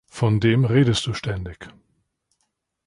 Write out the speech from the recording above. Von dem redest du ständig.